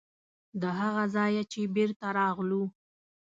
د هغه ځایه چې بېرته راتلو.